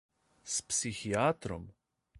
S psihiatrom?